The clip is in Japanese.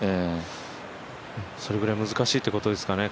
それぐらい難しいということですかね